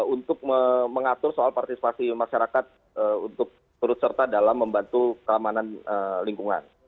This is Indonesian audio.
untuk mengatur soal partisipasi masyarakat untuk turut serta dalam membantu keamanan lingkungan